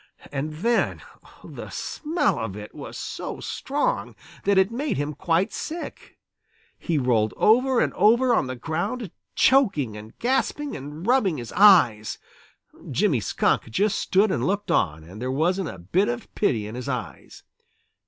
And then the smell of it was so strong that it made him quite sick. He rolled over and over on the ground, choking and gasping and rubbing his eyes. Jimmy Skunk just stood and looked on, and there wasn't a bit of pity in his eyes.